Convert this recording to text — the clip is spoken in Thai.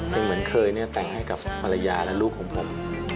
เพลงมันเคยเนี่ยแต่งให้กับมรัยาและลูกของผม